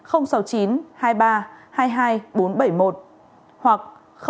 hoặc sáu mươi chín hai mươi ba hai mươi một sáu trăm sáu mươi bảy